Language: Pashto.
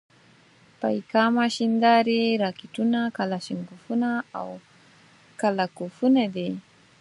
پیکا ماشیندارې، راکېټونه، کلاشینکوفونه او کله کوفونه دي.